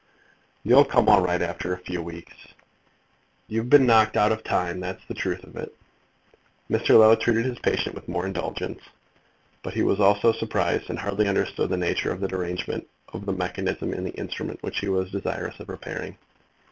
"You'll come all right after a few weeks. You've been knocked out of time; that's the truth of it." Mr. Low treated his patient with more indulgence; but he also was surprised, and hardly understood the nature of the derangement of the mechanism in the instrument which he was desirous of repairing.